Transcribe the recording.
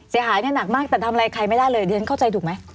เสียหายเนี่ยหนักมากแต่ทำอะไรใครไม่ได้เลยดิฉันเข้าใจถูกไหม